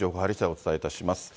お伝えいたします。